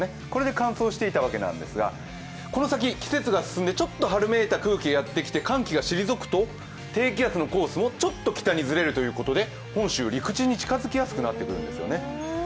これで乾燥していたわけなんですが、この先、季節が進んでちょっと春めいた空気がやってきて寒気が退くと低気圧のコースもちょっと北にずれるということで本州、陸地に近づきやすくなってくるんですよね。